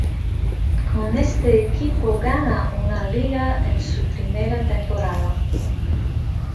Con este equipo gana una Liga en su primera temporada.